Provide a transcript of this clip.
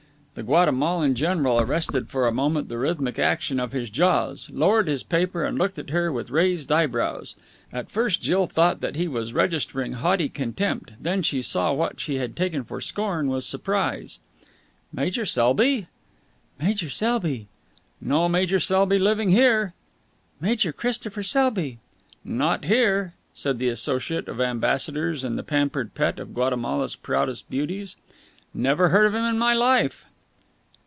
The Guatemalan general arrested for a moment the rhythmic action of his jaws, lowered his paper and looked at her with raised eyebrows. At first Jill thought that he was registering haughty contempt, then she saw what she had taken for scorn was surprise. "Major Selby?" "Major Selby." "No Major Selby living here." "Major Christopher Selby." "Not here," said the associate of ambassadors and the pampered pet of Guatemala's proudest beauties. "Never heard of him in my life!"